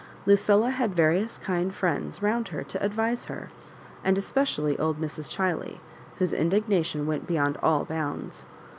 ^ Lucilla had various kind friends round her to advise her, and especially old Mrs. Chiley, whose indigna tion went beyond all bounds.